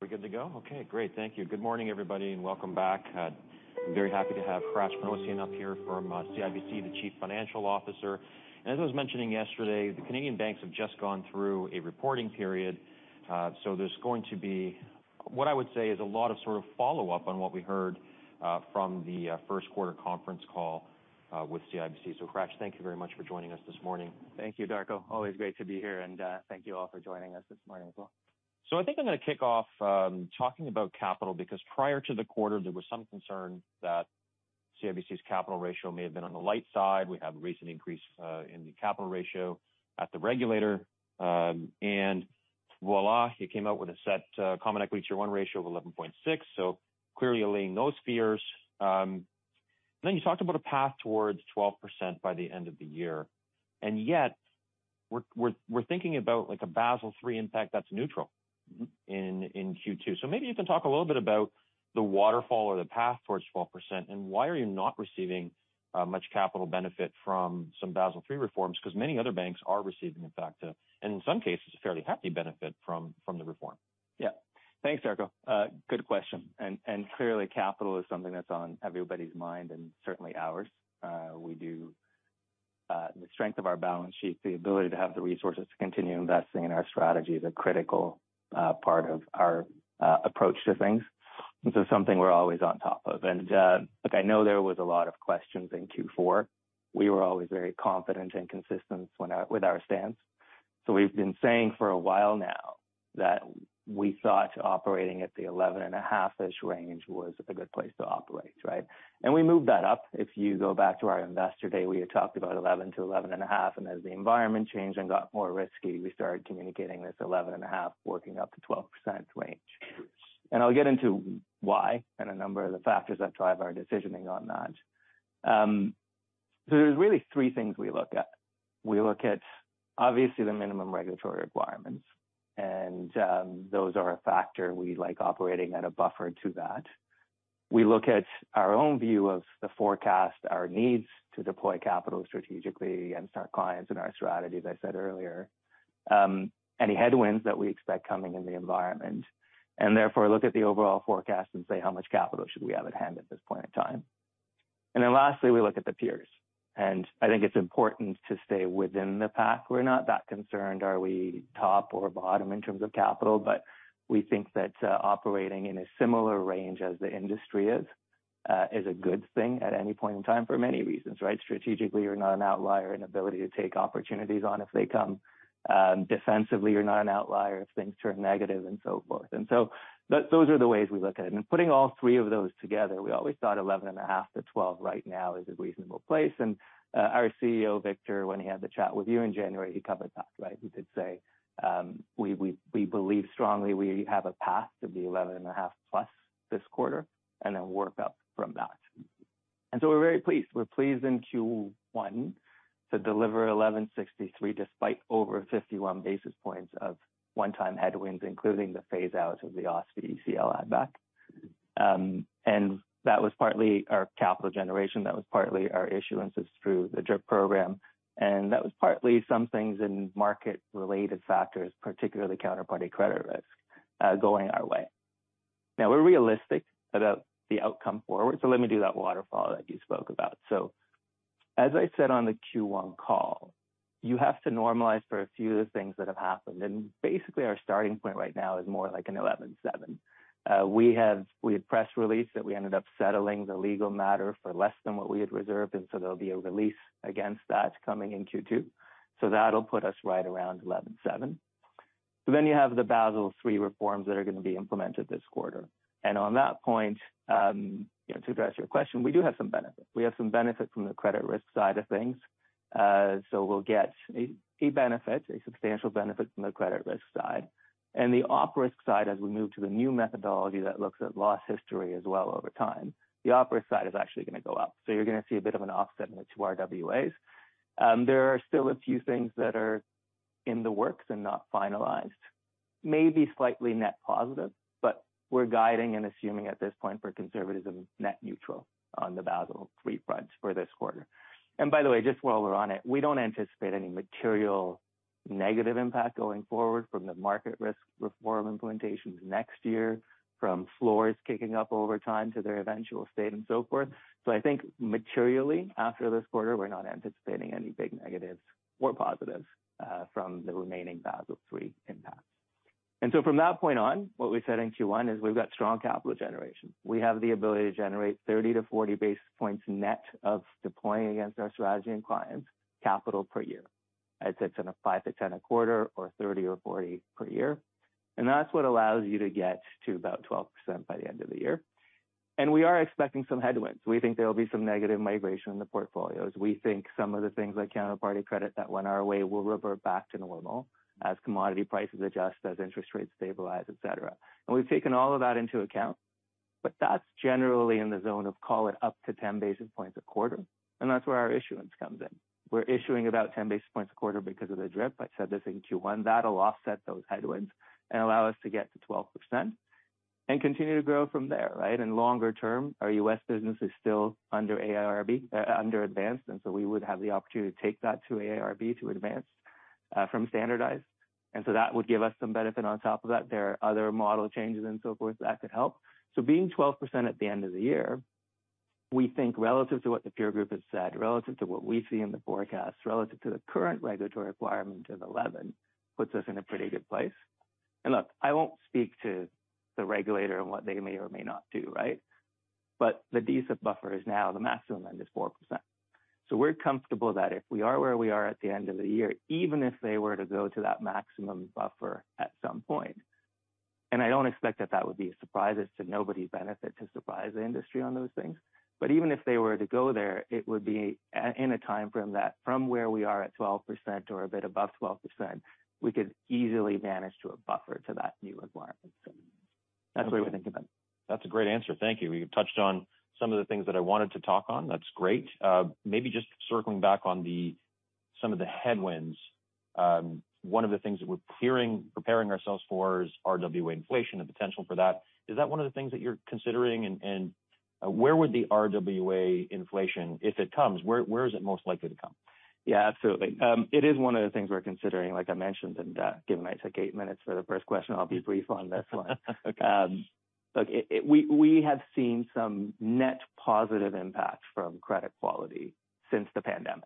We're good to go? Okay, great. Thank you. Good morning, everybody, and welcome back. I'm very happy to have Hratch Panossian up here from CIBC, the Chief Financial Officer. As I was mentioning yesterday, the Canadian banks have just gone through a reporting period. There's going to be what I would say is a lot of sort of follow-up on what we heard from the first quarter conference call with CIBC. Hratch, thank you very much for joining us this morning. Thank you, Darko. Always great to be here and, thank you all for joining us this morning as well. I think I'm gonna kick off talking about capital because prior to the quarter there was some concern that CIBC's capital ratio may have been on the light side. We have a recent increase in the capital ratio at the regulator. Voila, you came out with a CET1 ratio of 11.6%. Clearly allaying those fears. You talked about a path towards 12% by the end of the year and yet we're thinking about like a Basel III impact that's neutral- In Q2. Maybe you can talk a little bit about the waterfall or the path towards 12% and why are you not receiving much capital benefit from some Basel III reforms because many other banks are receiving in fact, and in some cases a fairly happy benefit from the reform? Yeah. Thanks, Darko. Good question. Clearly capital is something that's on everybody's mind and certainly ours. The strength of our balance sheet, the ability to have the resources to continue investing in our strategy is a critical part of our approach to things. Something we're always on top of. Look, I know there was a lot of questions in Q4. We were always very confident and consistent with our stance. We've been saying for a while now that we thought operating at the 11.5%-ish range was a good place to operate, right? We moved that up. If you go back to our Investor Day, we had talked about 11%-11.5%, and as the environment changed and got more risky, we started communicating this 11.5%-12% range. I'll get into why and a number of the factors that drive our decisioning on that. There's really three things we look at. We look at obviously the minimum regulatory requirements, and those are a factor. We like operating at a buffer to that. We look at our own view of the forecast, our needs to deploy capital strategically against our clients and our strategy, as I said earlier. Any headwinds that we expect coming in the environment and therefore look at the overall forecast and say how much capital should we have at hand at this point in time. Lastly, we look at the peers, and I think it's important to stay within the pack. We're not that concerned are we top or bottom in terms of capital, but we think that operating in a similar range as the industry is a good thing at any point in time for many reasons, right? Strategically, you're not an outlier, an ability to take opportunities on if they come. Defensively, you're not an outlier if things turn negative and so forth. Those are the ways we look at it. Putting all three of those together, we always thought 11.5%-12% right now is a reasonable place. Our CEO, Victor, when he had the chat with you in January, he covered that, right? He did say, "We believe strongly we have a path to be 11.5%+ this quarter and then work up from that." We're very pleased. We're pleased in Q1 to deliver 11.63% despite over 51 basis points of one time headwinds, including the phase outs of the OSFI ECL add back. That was partly our capital generation, that was partly our issuances through the DRIP program, and that was partly some things in market related factors, particularly counterparty credit risk, going our way. Now we're realistic about the outcome forward. Let me do that waterfall that you spoke about. As I said on the Q1 call, you have to normalize for a few of the things that have happened. Basically our starting point right now is more like an 11.7% We had press release that we ended up settling the legal matter for less than what we had reserved, there'll be a release against that coming in Q2. That'll put us right around 11.7%. You have the Basel III reforms that are gonna be implemented this quarter. On that point, you know, to address your question, we do have some benefit. We have some benefit from the credit risk side of things. So we'll get a benefit, a substantial benefit from the credit risk side. The op risk side, as we move to the new methodology that looks at loss history as well over time, the op risk side is actually gonna go up. You're gonna see a bit of an offset in the two RWAs. There are still a few things that are in the works and not finalized. Maybe slightly net positive, but we're guiding and assuming at this point for conservatism net neutral on the Basel III fronts for this quarter. By the way, just while we're on it, we don't anticipate any material negative impact going forward from the market risk reform implementations next year from floors kicking up over time to their eventual state and so forth. I think materially after this quarter we're not anticipating any big negatives or positives from the remaining Basel III impacts. From that point on, what we said in Q1 is we've got strong capital generation. We have the ability to generate 30-40 basis points net of deploying against our strategy and clients capital per year. I'd say it's in a five to 10 a quarter or 30-40 per year. That's what allows you to get to about 12% by the end of the year. We are expecting some headwinds. We think there will be some negative migration in the portfolios. We think some of the things like counterparty credit that went our way will revert back to normal as commodity prices adjust, as interest rates stabilize, et cetera. We've taken all of that into account, but that's generally in the zone of call it up to 10 basis points a quarter, and that's where our issuance comes in. We're issuing about 10 basis points a quarter because of the DRIP. I said this in Q1. That'll offset those headwinds and allow us to get to 12%. Continue to grow from there, right? Longer term, our U.S. business is still under AIRB, under advanced, we would have the opportunity to take that to AIRB, to advanced, from standardized. That would give us some benefit on top of that. There are other model changes and so forth that could help. Being 12% at the end of the year, we think relative to what the peer group has said, relative to what we see in the forecast, relative to the current regulatory requirement of 11%, puts us in a pretty good place. Look, I won't speak to the regulator and what they may or may not do, right. The DSB buffer is now the maximum then is 4%. We're comfortable that if we are where we are at the end of the year, even if they were to go to that maximum buffer at some point, and I don't expect that that would be a surprise. It's to nobody's benefit to surprise the industry on those things. Even if they were to go there, it would be in a time frame that from where we are at 12% or a bit above 12%, we could easily manage to a buffer to that new requirement. That's the way we think about it. That's a great answer. Thank you. We've touched on some of the things that I wanted to talk on. That's great. Maybe just circling back on some of the headwinds. One of the things that we're hearing, preparing ourselves for is RWA inflation, the potential for that. Is that one of the things that you're considering? Where would the RWA inflation, if it comes, where is it most likely to come? Yeah, absolutely. It is one of the things we're considering, like I mentioned, and given I took eight minutes for the first question, I'll be brief on this one. Okay. look, we have seen some net positive impact from credit quality since the pandemic.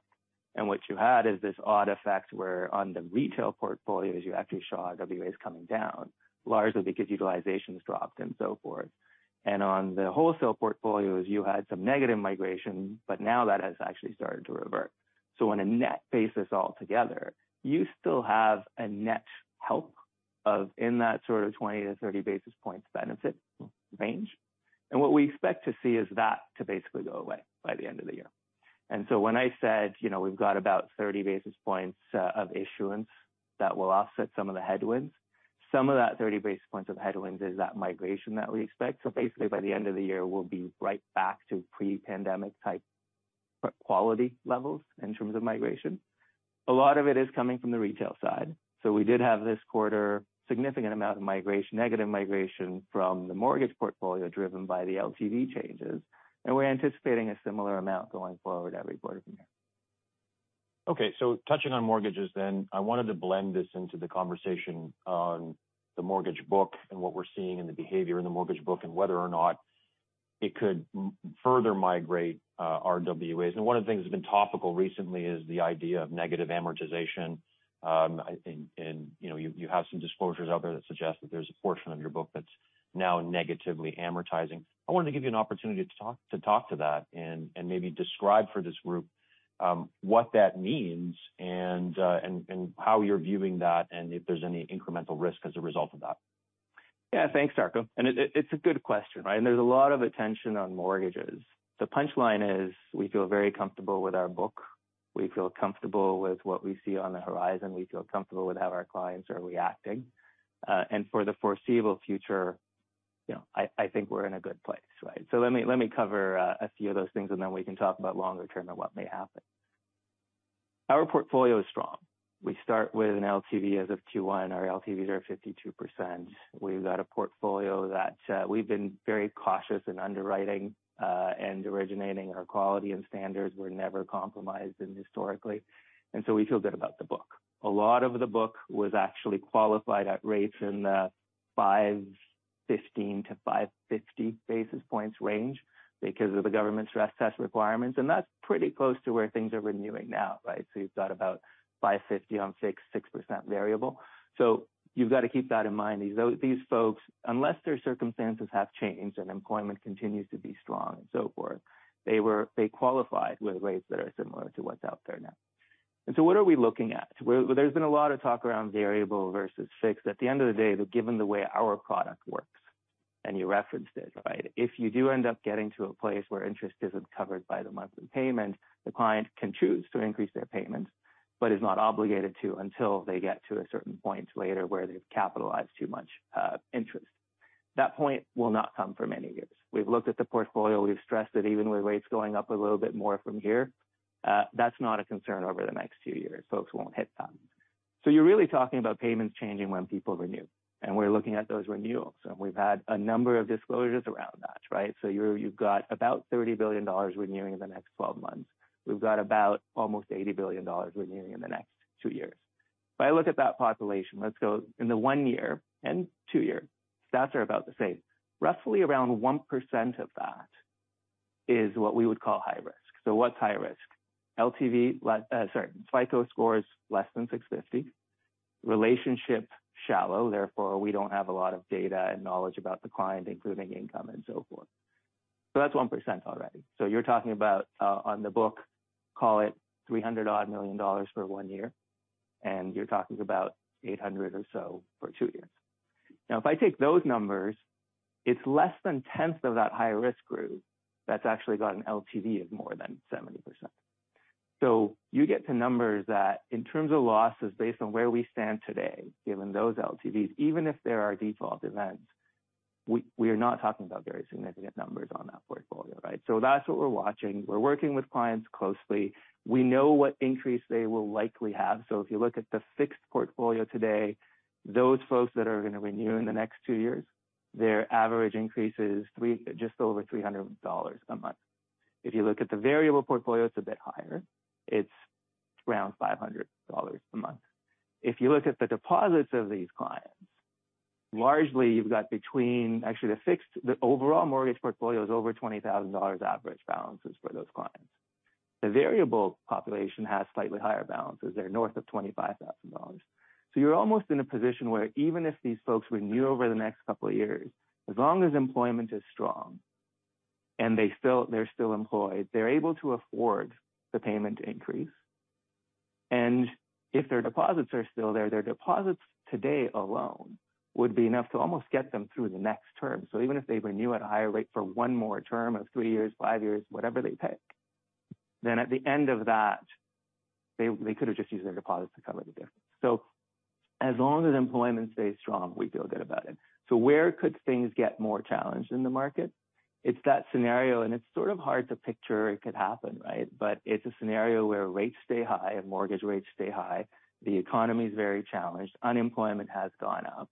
What you had is this odd effect where on the retail portfolios, you actually saw RWAs coming down, largely because utilizations dropped and so forth. On the wholesale portfolios, you had some negative migration, but now that has actually started to revert. On a net basis altogether, you still have a net help of in that sort of 20-30 basis points benefit range. What we expect to see is that to basically go away by the end of the year. When I said, you know, we've got about 30 basis points of issuance that will offset some of the headwinds, some of that 30 basis points of headwinds is that migration that we expect. By the end of the year, we'll be right back to pre-pandemic type quality levels in terms of migration. A lot of it is coming from the retail side. We did have this quarter significant amount of negative migration from the mortgage portfolio driven by the LTV changes, and we're anticipating a similar amount going forward every quarter from here. Touching on mortgages, I wanted to blend this into the conversation on the mortgage book and what we're seeing in the behavior in the mortgage book and whether or not it could further migrate RWAs. One of the things that's been topical recently is the idea of negative amortization. You know, you have some disclosures out there that suggest that there's a portion of your book that's now negatively amortizing. I wanted to give you an opportunity to talk to that and maybe describe for this group what that means and how you're viewing that and if there's any incremental risk as a result of that. Yeah. Thanks, Darko. It's a good question, right? There's a lot of attention on mortgages. The punchline is we feel very comfortable with our book. We feel comfortable with what we see on the horizon. We feel comfortable with how our clients are reacting. For the foreseeable future, you know, I think we're in a good place, right? Let me cover a few of those things, and then we can talk about longer term and what may happen. Our portfolio is strong. We start with an LTV as of Q1. Our LTVs are 52%. We've got a portfolio that we've been very cautious in underwriting and originating. Our quality and standards were never compromised in historically. We feel good about the book. A lot of the book was actually qualified at rates in the 515-550 basis points range because of the government's stress test requirements. That's pretty close to where things are renewing now, right? You've got about 550 on 6% variable. You've got to keep that in mind. These folks, unless their circumstances have changed and employment continues to be strong and so forth, they qualified with rates that are similar to what's out there now. What are we looking at? Well, there's been a lot of talk around variable versus fixed. At the end of the day, given the way our product works, and you referenced it, right? If you do end up getting to a place where interest isn't covered by the monthly payment, the client can choose to increase their payments, but is not obligated to until they get to a certain point later where they've capitalized too much interest. That point will not come for many years. We've looked at the portfolio, we've stressed it even with rates going up a little bit more from here. That's not a concern over the next two years. Folks won't hit that. You've got about 30 billion dollars renewing in the next 12 months. We've got about almost 80 billion dollars renewing in the next two years. If I look at that population, let's go in the one year and two year. Stats are about the same. Roughly around 1% of that is what we would call high risk. What's high risk? LTV sorry, FICO score is less than 650. Relationship shallow, therefore, we don't have a lot of data and knowledge about the client, including income and so forth. That's 1% already. You're talking about, on the book, call it 300 odd million for one year, and you're talking about 800 million or so for two years. Now, if I take those numbers, it's less than 1/10 of that high-risk group that's actually got an LTV of more than 70%. You get to numbers that in terms of losses, based on where we stand today, given those LTVs, even if there are default events, we are not talking about very significant numbers on that portfolio, right? That's what we're watching. We're working with clients closely. We know what increase they will likely have. If you look at the fixed portfolio today, those folks that are gonna renew in the next two years, their average increase is just over 300 dollars a month. If you look at the variable portfolio, it's a bit higher. It's around 500 dollars a month. If you look at the deposits of these clients, largely you've got, actually, the overall mortgage portfolio is over 20,000 dollars average balances for those clients. The variable population has slightly higher balances. They're north of 25,000 dollars. You're almost in a position where even if these folks renew over the next couple of years, as long as employment is strong and they're still employed, they're able to afford the payment increase. If their deposits are still there, their deposits today alone would be enough to almost get them through the next term. Even if they renew at a higher rate for one more term of three years, five years, whatever they pick, then at the end of that, they could have just used their deposits to cover the difference. As long as employment stays strong, we feel good about it. Where could things get more challenged in the market? It's that scenario, and it's sort of hard to picture it could happen, right? It's a scenario where rates stay high and mortgage rates stay high. The economy is very challenged. Unemployment has gone up.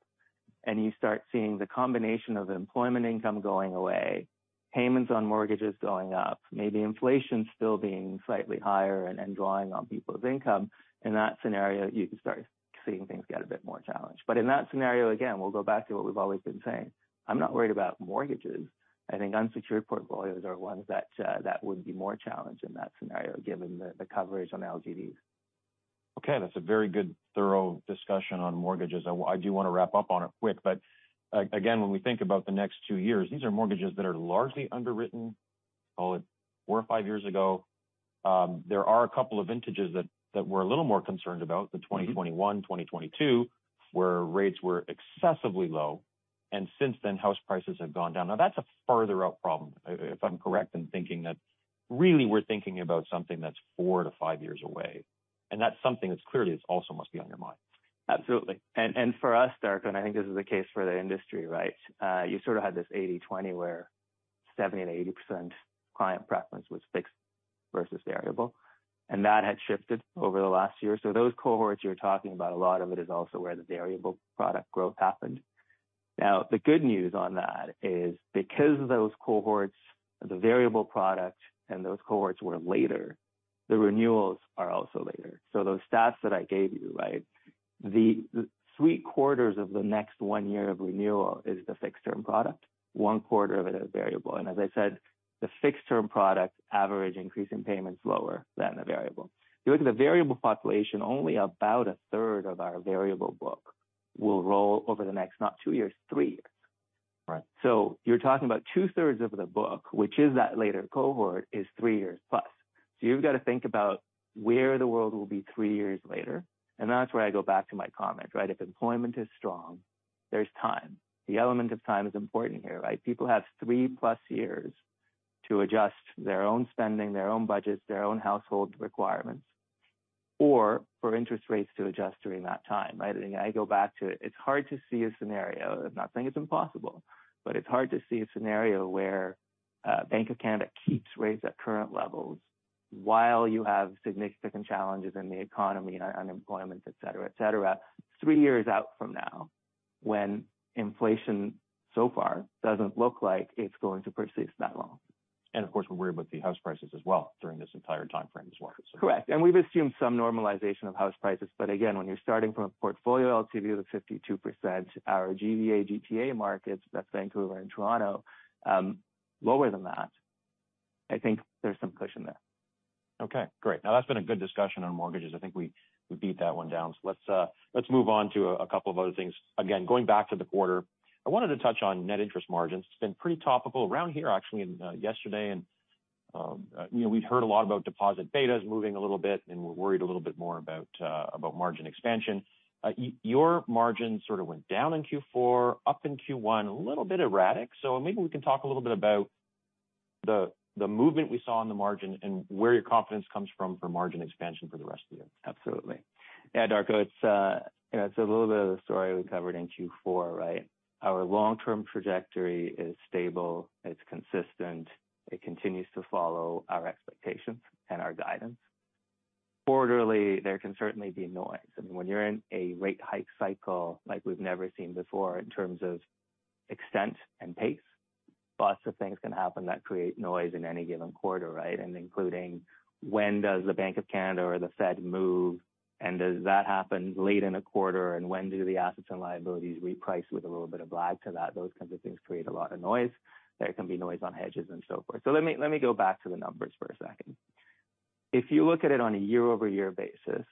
You start seeing the combination of employment income going away, payments on mortgages going up, maybe inflation still being slightly higher and drawing on people's income. In that scenario, you can start seeing things get a bit more challenged. In that scenario, again, we'll go back to what we've always been saying. I'm not worried about mortgages. I think unsecured portfolios are ones that that would be more challenged in that scenario, given the coverage on LGDs. Okay, that's a very good, thorough discussion on mortgages. I do wanna wrap up on it quick, but again, when we think about the next two years, these are mortgages that are largely underwritten, call it four or five years ago. There are a couple of vintages that we're a little more concerned about, the 2021, 2022, where rates were excessively low, and since then, house prices have gone down. That's a further out problem, if I'm correct in thinking that really we're thinking about something that's four to five years away, and that's something that's clearly it also must be on your mind. Absolutely. For us, Darko, and I think this is the case for the industry, right, you sort of had this 80/20 where 70% and 80% client preference was fixed versus variable, and that had shifted over the last one year. Those cohorts you're talking about, a lot of it is also where the variable product growth happened. The good news on that is because those cohorts, the variable product, and those cohorts were later, the renewals are also later. Those stats that I gave you, right? The 3/4 of the next one year of renewal is the fixed-term product. 1/4 of it is variable. As I said, the fixed-term product average increase in payment is lower than the variable. You look at the variable population, only about a third of our variable book will roll over the next, not two years, three years. Right. You're talking about 2/3 of the book, which is that later cohort, is three years plus. You've got to think about where the world will be three years later. That's where I go back to my comment, right? If employment is strong, there's time. The element of time is important here, right? People have three plus years to adjust their own spending, their own budgets, their own household requirements, or for interest rates to adjust during that time, right? I go back to it. It's hard to see a scenario, I'm not saying it's impossible, but it's hard to see a scenario where Bank of Canada keeps rates at current levels while you have significant challenges in the economy and unemployment, et cetera, et cetera, three years out from now, when inflation so far doesn't look like it's going to persist that long. Of course, we're worried about the house prices as well during this entire timeframe as well. Correct. We've assumed some normalization of house prices. Again, when you're starting from a portfolio LTV of 52%, our GVA GTA markets, that's Vancouver and Toronto, lower than that, I think there's some cushion there. Okay, great. Now that's been a good discussion on mortgages. I think we beat that one down. Let's move on to a couple of other things. Again, going back to the quarter, I wanted to touch on net interest margins. It's been pretty topical around here, actually, yesterday. You know, we'd heard a lot about deposit betas moving a little bit, and we're worried a little bit more about margin expansion. Your margin sort of went down in Q4, up in Q1, a little bit erratic. Maybe we can talk a little bit about the movement we saw on the margin and where your confidence comes from for margin expansion for the rest of the year. Absolutely. Yeah, Darko, it's, you know, it's a little bit of the story we covered in Q4, right? Our long-term trajectory is stable, it's consistent, it continues to follow our expectations and our guidance. Orderly, there can certainly be noise. I mean, when you're in a rate hike cycle like we've never seen before in terms of extent and pace, lots of things can happen that create noise in any given quarter, right? Including when does the Bank of Canada or the Fed move, and does that happen late in a quarter? When do the assets and liabilities reprice with a little bit of lag to that? Those kinds of things create a lot of noise. There can be noise on hedges and so forth. Let me go back to the numbers for a second. If you look at it on a year-over-year basis,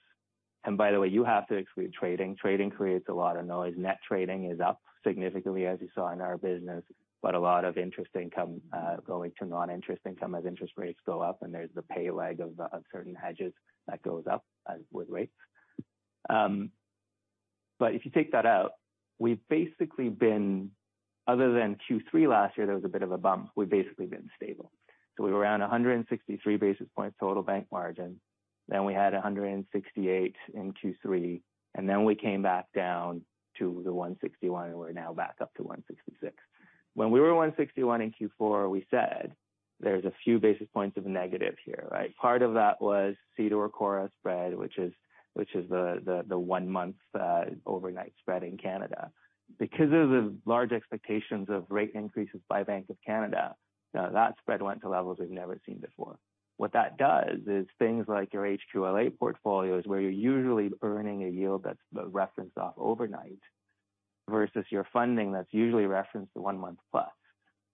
by the way, you have to exclude trading. Trading creates a lot of noise. Net trading is up significantly, as you saw in our business, but a lot of interest income going to non-interest income as interest rates go up, and there's the pay lag of certain hedges that goes up with rates. If you take that out, we've basically been, other than Q3 last year, there was a bit of a bump. We've basically been stable. We were around 163 basis points total bank margin. We had 168 in Q3, and then we came back down to the 161, and we're now back up to 166. When we were 161 in Q4, we said there's a few basis points of negative here, right? Part of that was CDOR/CORRA spread, which is the one-month, overnight spread in Canada. Because of the large expectations of rate increases by Bank of Canada, that spread went to levels we've never seen before. What that does is things like your HQLA portfolios, where you're usually earning a yield that's referenced off overnight versus your funding that's usually referenced to one month plus.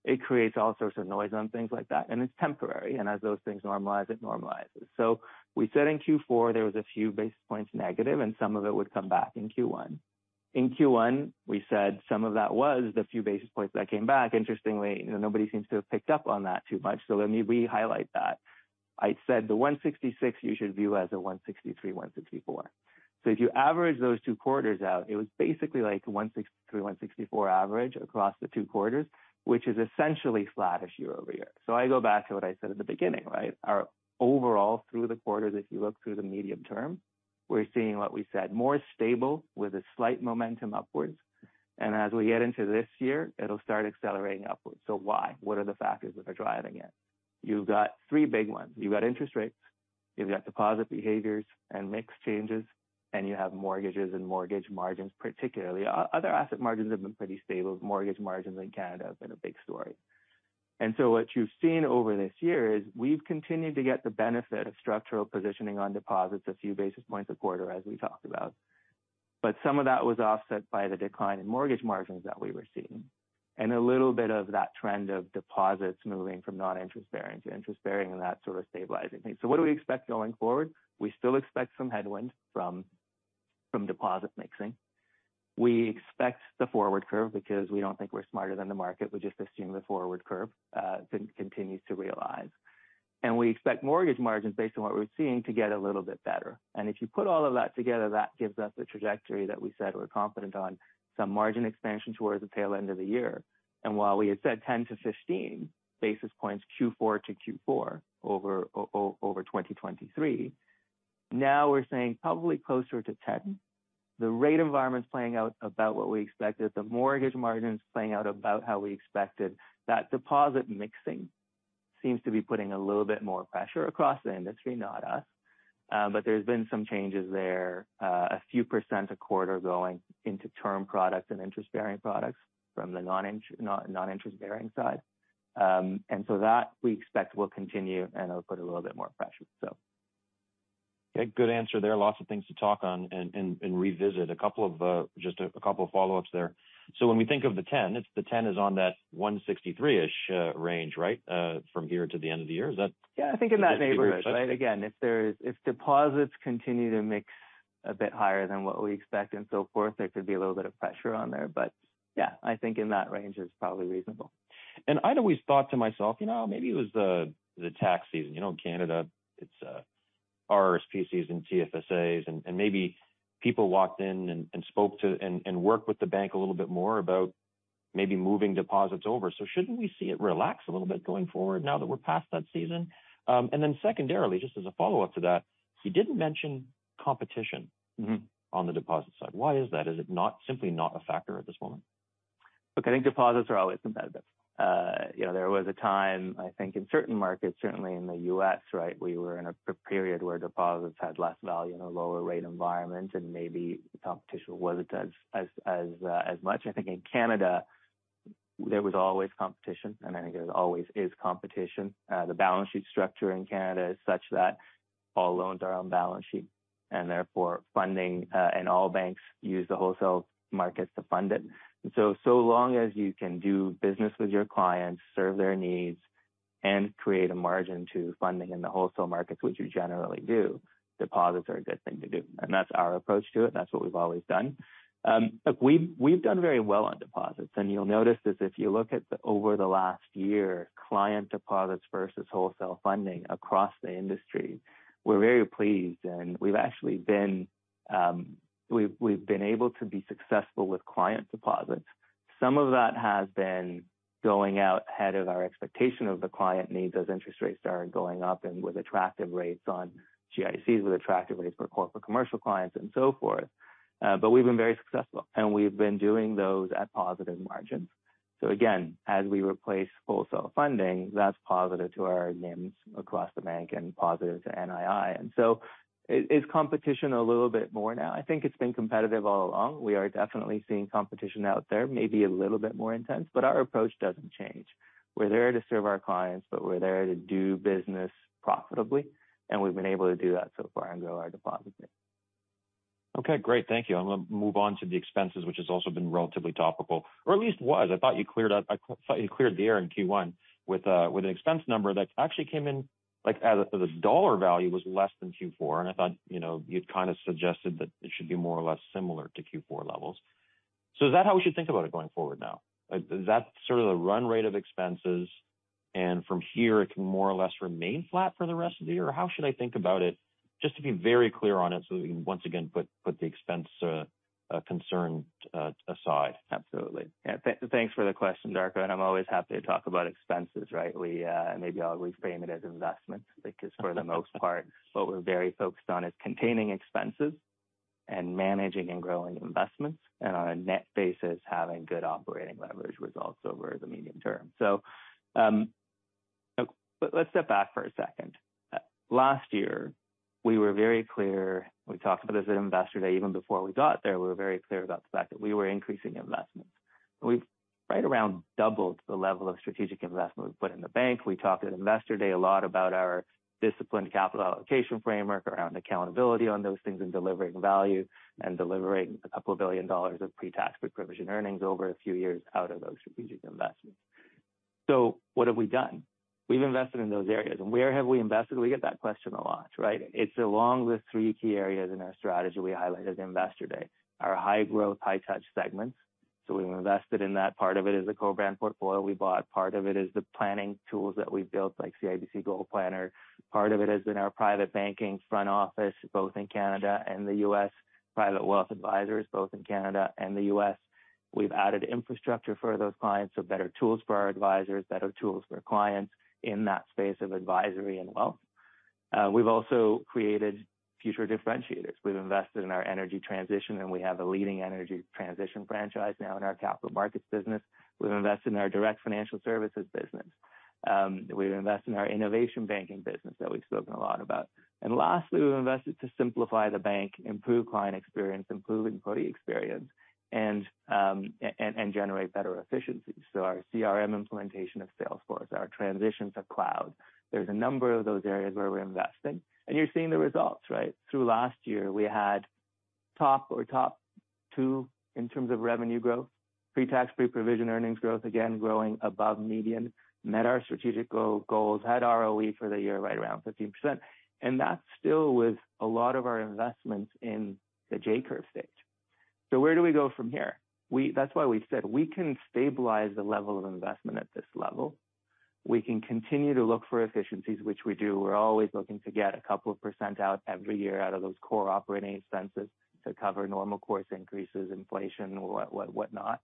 It creates all sorts of noise on things like that, and it's temporary. As those things normalize, it normalizes. We said in Q4 there was a few basis points negative, and some of it would come back in Q1. In Q1, we said some of that was the few basis points that came back. Interestingly, you know, nobody seems to have picked up on that too much, so let me re-highlight that. I said the 166 you should view as a 163, 164. If you average those two quarters out, it was basically like 163, 164 average across the two quarters, which is essentially flatish year-over-year. I go back to what I said at the beginning, right? Our overall through the quarters, if you look through the medium term, we're seeing what we said, more stable with a slight momentum upwards. As we get into this year, it'll start accelerating upwards. Why? What are the factors that are driving it? You've got three big ones. You've got interest rates, you've got deposit behaviors and mix changes, and you have mortgages and mortgage margins particularly. Other asset margins have been pretty stable. Mortgage margins in Canada have been a big story. What you've seen over this year is we've continued to get the benefit of structural positioning on deposits a few basis points a quarter, as we talked about. Some of that was offset by the decline in mortgage margins that we were seeing, and a little bit of that trend of deposits moving from non-interest bearing to interest bearing, and that sort of stabilizing things. What do we expect going forward? We still expect some headwind from deposit mixing. We expect the forward curve because we don't think we're smarter than the market. We just assume the forward curve continues to realize. We expect mortgage margins based on what we're seeing to get a little bit better. If you put all of that together, that gives us the trajectory that we said we're confident on some margin expansion towards the tail end of the year. While we had said 10-15 basis points Q4-to-Q4 over 2023, now we're saying probably closer to 10. The rate environment's playing out about what we expected, the mortgage margin's playing out about how we expected. That deposit mixing seems to be putting a little bit more pressure across the industry, not us. There's been some changes there, a few percent a quarter going into term products and interest-bearing products from the non-interest bearing side. That we expect will continue, and it'll put a little bit more pressure. Okay, good answer there. Lots of things to talk on and revisit. A couple of, just a couple of follow-ups there. When we think of the 10, it's the 10 is on that 163-ish range, right, from here to the end of the year. Yeah, I think in that neighborhood. Right. Again, if deposits continue to mix a bit higher than what we expect and so forth, there could be a little bit of pressure on there. Yeah, I think in that range is probably reasonable. I'd always thought to myself, you know, maybe it was the tax season. You know, in Canada it's RRSP season, TFSAs, and maybe people walked in and spoke to and worked with the bank a little bit more about maybe moving deposits over. Shouldn't we see it relax a little bit going forward now that we're past that season? Secondarily, just as a follow-up to that, you didn't mention competition- on the deposit side. Why is that? Is it not simply not a factor at this moment? Look, I think deposits are always competitive. You know, there was a time, I think in certain markets, certainly in the U.S., right, we were in a period where deposits had less value in a lower rate environment and maybe the competition wasn't as much. I think in Canada there was always competition, and I think there always is competition. The balance sheet structure in Canada is such that all loans are on balance sheet and therefore funding, and all banks use the wholesale markets to fund it. So long as you can do business with your clients, serve their needs, and create a margin to funding in the wholesale markets, which you generally do, deposits are a good thing to do. That's our approach to it. That's what we've always done. Look, we've done very well on deposits, and you'll notice this if you look at over the last year, client deposits versus wholesale funding across the industry. We're very pleased, and we've actually been, we've been able to be successful with client deposits. Some of that has been going out ahead of our expectation of the client needs as interest rates started going up and with attractive rates on GICs, with attractive rates for corporate commercial clients and so forth. But we've been very successful, and we've been doing those at positive margins. Again, as we replace wholesale funding, that's positive to our NIMs across the bank and positive to NII. Is competition a little bit more now? I think it's been competitive all along. We are definitely seeing competition out there, maybe a little bit more intense, but our approach doesn't change. We're there to serve our clients, but we're there to do business profitably, and we've been able to do that so far and grow our deposit base. Okay, great. Thank you. I'm gonna move on to the expenses, which has also been relatively topical, or at least was. I thought you cleared the air in Q1 with an expense number that actually came in, like, the dollar value was less than Q4, and I thought, you know, you'd kind of suggested that it should be more or less similar to Q4 levels. Is that how we should think about it going forward now? Is that sort of the run rate of expenses, and from here it can more or less remain flat for the rest of the year? How should I think about it, just to be very clear on it so we can once again put the expense concern aside? Absolutely. Yeah. Thanks for the question, Darko, I'm always happy to talk about expenses, right? We, maybe I'll reframe it as investments because for the most part, what we're very focused on is containing expenses. Managing and growing investments and on a net basis, having good operating leverage results over the medium term. Let's step back for a second. Last year we were very clear. We talked about this at Investor Day, even before we got there, we were very clear about the fact that we were increasing investments. We've right around doubled the level of strategic investment we've put in the bank. We talked at Investor Day a lot about our disciplined capital allocation framework around accountability on those things and delivering value and delivering 2 billion dollars of pre-tax pre-provision earnings over a few years out of those strategic investments. What have we done? We've invested in those areas. Where have we invested? We get that question a lot, right? It's along the three key areas in our strategy we highlighted at Investor Day, our high growth, high touch segments. We've invested in that. Part of it is the co-brand portfolio we bought. Part of it is the planning tools that we've built, like CIBC GoalPlanner. Part of it has been our private banking front office, both in Canada and the U.S. Private wealth advisors, both in Canada and the U.S. We've added infrastructure for those clients. Better tools for our advisors, better tools for clients in that space of advisory and wealth. We've also created future differentiators. We've invested in our energy transition, and we have a leading energy transition franchise now in our capital markets business. We've invested in our Direct Financial Services business. We've invested in our Innovation Banking business that we've spoken a lot about. Lastly, we've invested to simplify the bank, improve client experience, improve employee experience and generate better efficiencies. Our CRM implementation of Salesforce, our transition to cloud, there's a number of those areas where we're investing and you're seeing the results, right? Through last year we had top or top two in terms of revenue growth, pre-tax pre-provision earnings growth, again growing above median, met our strategic goals, had ROE for the year right around 15%. That's still with a lot of our investments in the J-curve state. Where do we go from here? That's why we said we can stabilize the level of investment at this level. We can continue to look for efficiencies, which we do. We're always looking to get a couple of percentage out every year out of those core operating expenses to cover normal course increases, inflation or what, whatnot.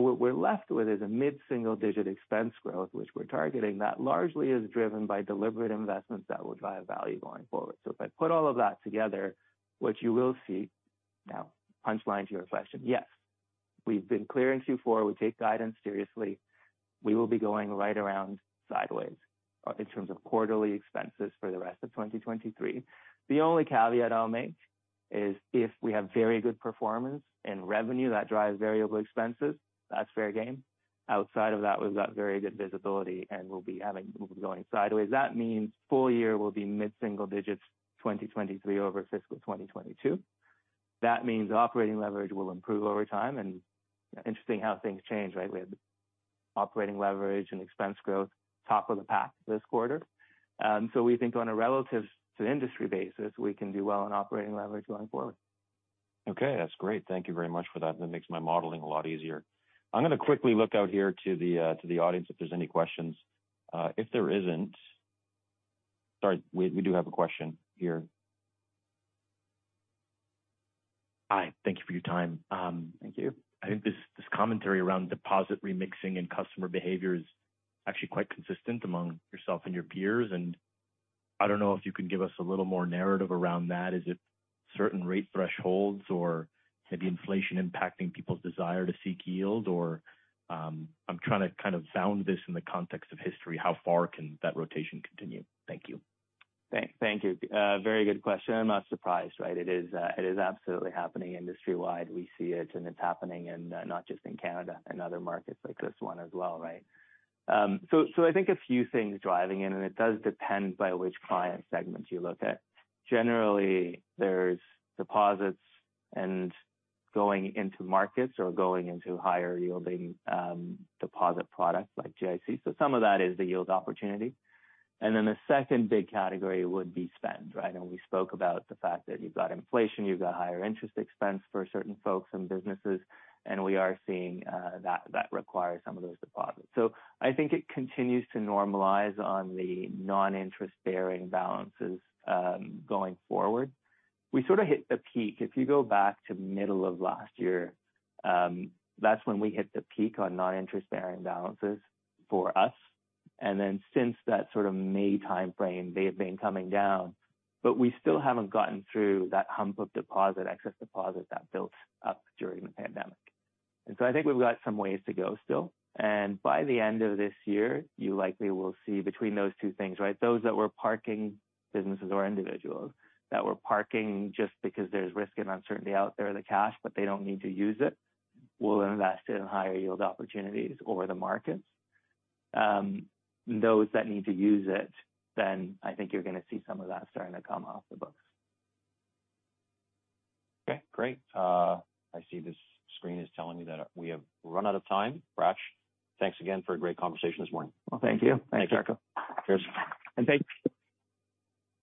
What we're left with is a mid-single digit expense growth, which we're targeting. That largely is driven by deliberate investments that will drive value going forward. If I put all of that together, what you will see, now punchline to your question, yes, we've been clear in Q4, we take guidance seriously. We will be going right around sideways in terms of quarterly expenses for the rest of 2023. The only caveat I'll make is if we have very good performance and revenue that drives variable expenses, that's fair game. Outside of that, we've got very good visibility and we'll be going sideways. That means full year will be mid-single digits, 2023 over fiscal 2022. That means operating leverage will improve over time. Interesting how things change, right? We had operating leverage and expense growth top of the pack this quarter. We think on a relative to industry basis, we can do well on operating leverage going forward. Okay, that's great. Thank you very much for that. That makes my modeling a lot easier. I'm gonna quickly look out here to the audience if there's any questions. Sorry, we do have a question here. Hi. Thank you for your time. Thank you. I think this commentary around deposit remixing and customer behavior is actually quite consistent among yourself and your peers, I don't know if you can give us a little more narrative around that. Is it certain rate thresholds or maybe inflation impacting people's desire to seek yield or, I'm trying to kind of sound this in the context of history. How far can that rotation continue? Thank you. Thank you. Very good question. I'm not surprised, right? It is, it is absolutely happening industry-wide. We see it and it's happening in not just in Canada and other markets like this one as well, right? I think a few things driving it. It does depend by which client segments you look at. Generally, there's deposits and going into markets or going into higher yielding deposit products like GIC. Some of that is the yield opportunity. The second big category would be spend, right? We spoke about the fact that you've got inflation, you've got higher interest expense for certain folks and businesses, and we are seeing that require some of those deposits. I think it continues to normalize on the non-interest bearing balances going forward. We sort of hit the peak. If you go back to middle of last year, that's when we hit the peak on non-interest bearing balances for us. Since that sort of May timeframe, they have been coming down, but we still haven't gotten through that hump of deposit, excess deposit that built up during the pandemic. I think we've got some ways to go still. By the end of this year, you likely will see between those two things, right? Those that were parking businesses or individuals that were parking just because there's risk and uncertainty out there, the cash, but they don't need to use it, will invest in higher yield opportunities or the markets. Those that need to use it, I think you're gonna see some of that starting to come off the books. Okay, great. I see this screen is telling me that we have run out of time. Hratch, thanks again for a great conversation this morning. Well, thank you. Thanks, Darko. Cheers. Thank you.